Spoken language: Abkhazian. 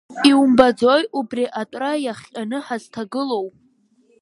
Иумбаӡои убри атәра иахҟьаны ҳазҭагылоу?